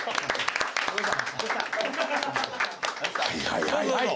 はいはいはいはい！